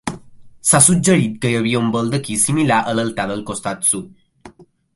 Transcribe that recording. S'ha suggerit que hi havia un baldaquí similar a l'altar del costat sud.